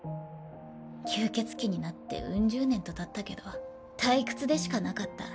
吸血鬼になってウン十年とたったけど退屈でしかなかった。